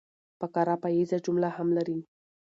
فقره پاییزه جمله هم لري.